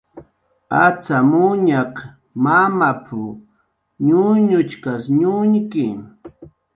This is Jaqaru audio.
"Acxamuñaq mamap"" ñuñuchkas ñuñki"